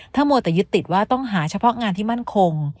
ถ้ามัวแต่ยึดติดว่าต้องหาเฉพาะงานที่มั่นคง